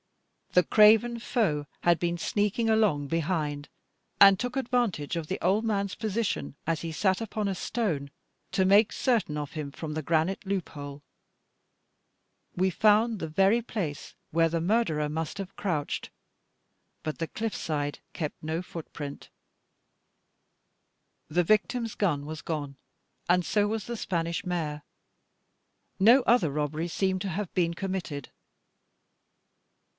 The craven foe had been sneaking along behind, and took advantage of the old man's position, as he sat upon a stone to make certain of him from the granite loophole. We found the very place where the murderer must have crouched, but the cliff side kept no footprint. The victim's gun was gone, and so was the Spanish mare: no other robbery seemed to have been committed.